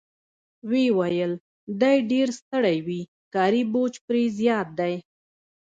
ویې ویل: دی ډېر ستړی وي، کاري بوج پرې زیات دی.